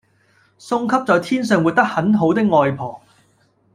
送給在天上活得很好的外婆